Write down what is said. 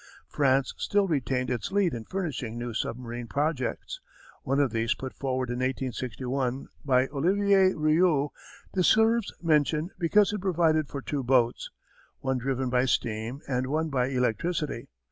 France still retained its lead in furnishing new submarine projects. One of these put forward in 1861 by Olivier Riou deserves mention because it provided for two boats, one driven by steam and one by electricity.